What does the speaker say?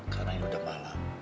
karena ini udah malam